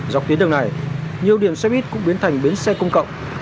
dọc tuyến đường này nhiều điểm xe buýt cũng biến thành bến xe công cộng